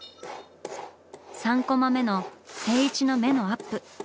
３コマ目の静一の目のアップ。